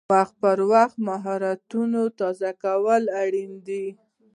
وخت پر وخت مهارتونه تازه کول اړین دي.